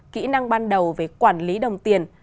kỹ năng ban đầu về quản lý đồng tiền